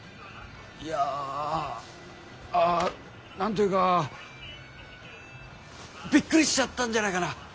いや何と言うかびっくりしちゃったんじゃないかな。